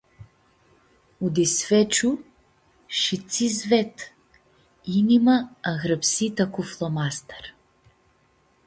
U-disfeciu shi tsi s-ved!? Inimã ãnyrãpsitã cu flomaster.